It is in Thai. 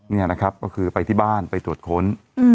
นี่นะครับก็คือไปที่บ้านไปตรวจค้น